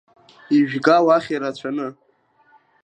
Ижәга уахь ирацәаны!